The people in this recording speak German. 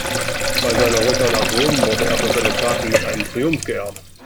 Bei seiner Rückkehr nach Rom wurde er für seine Taten mit einem Triumph geehrt.